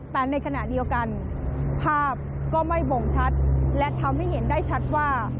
ตามโลกได้ขณะเดียวกันภาพไม่โหลดชัดและทำให้เห็นได้ชัดว่า